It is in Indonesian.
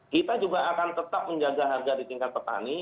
kita juga akan tetap menjaga harga di tingkat petani